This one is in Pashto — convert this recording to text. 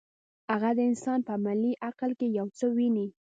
هغه د انسان په عملي عقل کې یو څه ویني.